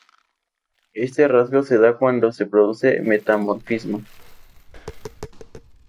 Este rasgo se da cuando se produce metamorfismo.